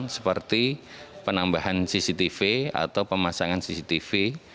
seperti penambahan cctv atau pemasangan cctv